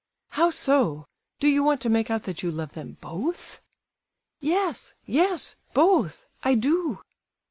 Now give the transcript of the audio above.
"How so? Do you want to make out that you love them both?" "Yes—yes—both! I do!"